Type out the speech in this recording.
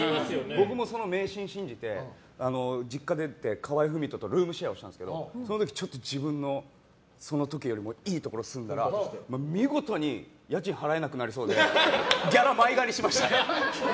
僕もその迷信を信じて、実家出て河合郁人とルームシェアをしたんですけどその時よりもいいところに住んだら見事に家賃を払えなくなりそうでギャラを前借りしました。